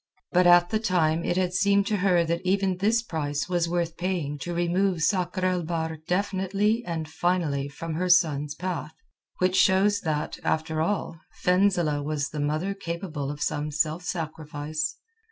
But at the time it had seemed to her that even this price was worth paying to remove Sakr el Bahr definitely and finally from her son's path—which shows that, after all, Fenzileh the mother was capable of some self sacrifice.